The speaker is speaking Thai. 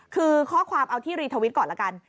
คือข้อความเอาที่รีทวิตก่อนละกัน